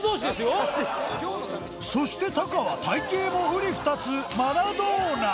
そしてタカは体形もうり二つマラドーナ